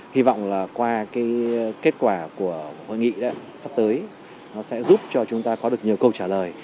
hy vọng là qua kết quả của hội nghị sắp tới nó sẽ giúp cho chúng ta có được nhiều câu trả lời